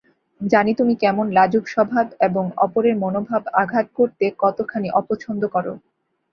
জানি তুমি কেমন লাজুকস্বভাব এবং অপরের মনোভাবে আঘাত করতে কতখানি অপছন্দ কর।